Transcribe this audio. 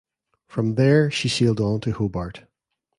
From there she sailed on to Hobart.